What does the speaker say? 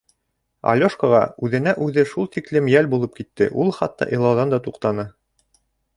Алёшкаға үҙенә үҙе шул тиклем йәл булып китте, ул хатта илауҙан да туҡтаны.